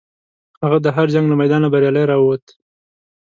هغه د هر جنګ له میدانه بریالی راووت.